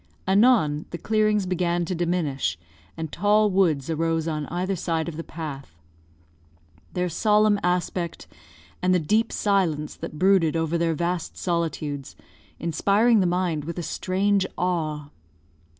Anon, the clearings began to diminish, and tall woods arose on either side of the path; their solemn aspect, and the deep silence that brooded over their vast solitudes, inspiring the mind with a strange awe.